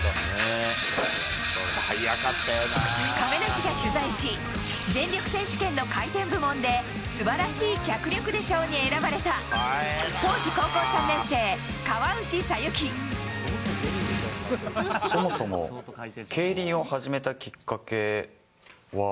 亀梨が取材し、全力選手権の回転部門で、素晴らしい脚力で賞に選ばれた、当時、高校３年生、そもそも競輪を始めたきっかけは？